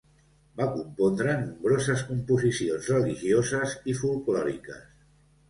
Va compondre nombroses composicions religioses i folklòriques.